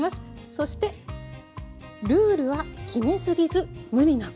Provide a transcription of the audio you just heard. そして「ルールは決めすぎず無理なく！」。